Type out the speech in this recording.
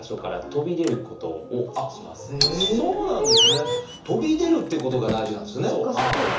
「飛び出る」ということが大事なんですね。